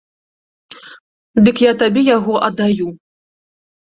Дык я табе яго аддаю.